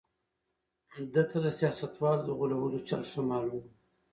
ده ته د سياستوالو د غولولو چل ښه معلوم و.